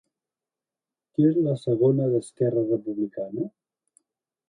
Qui és la segona d'Esquerra Republicana?